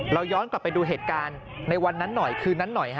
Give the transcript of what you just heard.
เราย้อนกลับไปดูเหตุการณ์ในวันนั้นหน่อยคืนนั้นหน่อยฮ